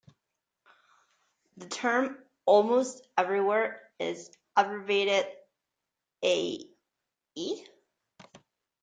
The term "almost everywhere" is abbreviated "a.e.